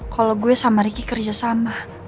kalau gue sama ricky kerjasama